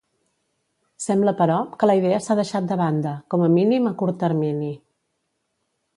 Sembla però, que la idea s'ha deixat de banda, com a mínim, a curt termini.